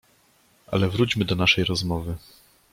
"Ale wróćmy do naszej rozmowy."